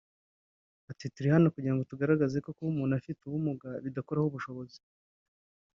Ati “Turi hano kugira ngo tugaragaze ko kuba umuntu afite ubumuga bidakuraho ubushobozi